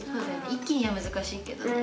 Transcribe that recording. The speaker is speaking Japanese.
一気には難しいけどね。